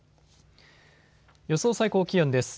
予想最高気温です。